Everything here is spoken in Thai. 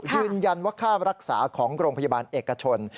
ยืนยันว่าค่ารักษาของโรงพยาบาลเอกชน